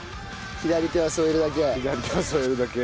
左手は添えるだけ。